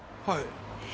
はい。